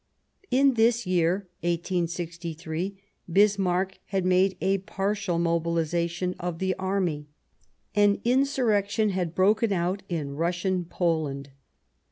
In this year, 1863, Bismarck had made a partial mobihzation of the army. An insurrection had broken out in Russian Poland.